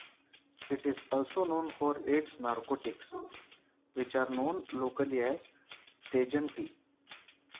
It is also known for its narcotics, which are known locally as "Tejen tea".